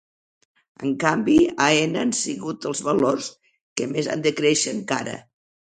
En canvi, Aena han sigut els valors que més han de créixer encara.